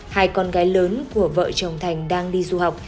hai con gái lớn của vợ chồng thành đang đi du học